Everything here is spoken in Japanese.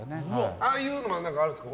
ああいうのはあるんですか